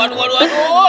aduh aduh aduh